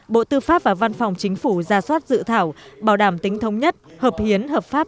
bộ tư pháp và văn phòng chính phủ ra soát dự thảo bảo đảm tính thống nhất hợp hiến hợp pháp